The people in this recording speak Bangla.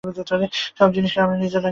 সব জিনিষকে আমরা নিজের রঙে রাঙাইয়া লই।